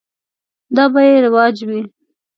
دا به یې رواج وي.